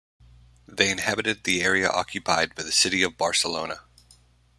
They inhabited the area occupied by the city of Barcelona.